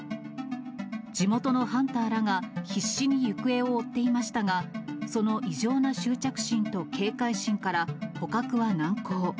地元のハンターらが必死に行方を追っていましたが、その異常な執着心と警戒心から捕獲は難航。